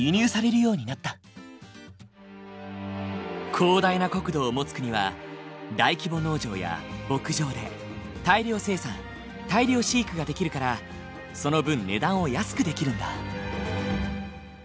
広大な国土を持つ国は大規模農場や牧場で大量生産大量飼育ができるからその分値段を安くできるんだ。